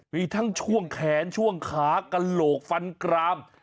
มีทั้งช่วงแขนช่วงขากระโหลกฟันกราม